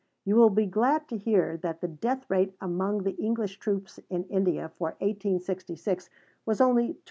You will be glad to hear that the death rate among the English troops in India for 1866 was only 20.